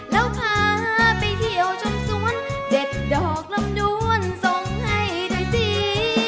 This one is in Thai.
แล้วพาไปเที่ยวชมสวนเด็ดดอกลำดวนส่งให้หน่อยสิ